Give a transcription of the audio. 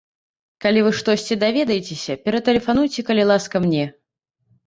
Калі вы штосьці даведаецеся, ператэлефануйце, калі ласка, мне.